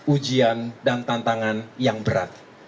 ujian dan tantangan yang berat